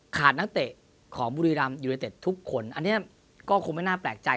นักเตะของบุรีรัมยูเนเต็ดทุกคนอันนี้ก็คงไม่น่าแปลกใจ